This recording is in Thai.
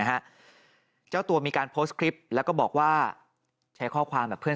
ฮะเจ้าตัวมีการโพสต์คลิปแล้วก็บอกว่าใช้ข้อความแบบเพื่อน